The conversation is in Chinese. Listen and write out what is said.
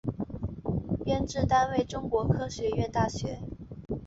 编制单位中国科学院大学